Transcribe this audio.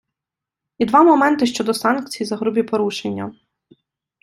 І два моменти щодо санкцій за грубі порушення.